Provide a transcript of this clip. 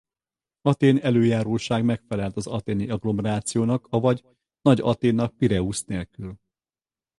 Athén elöljáróság megfelelt az athéni agglomerációnak avagy Nagy-Athénnak Pireusz nélkül.